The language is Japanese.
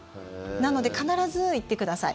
なので必ず行ってください。